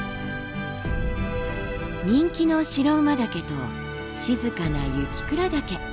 人気の白馬岳と静かな雪倉岳。